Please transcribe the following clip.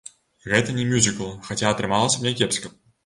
Гэта не мюзікл, хаця атрымалася б някепска.